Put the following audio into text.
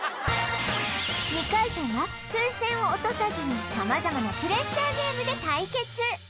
２回戦は風船を落とさずに様々なプレッシャーゲームで対決